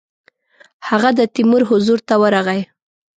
هغه د تیمور حضور ته ورغی.